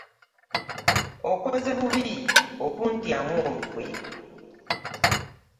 Okoze bubi okundyamu olukwe.